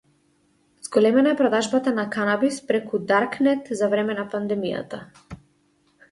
Зголемена е продажбата на канабис преку Даркнет за време на пандемијата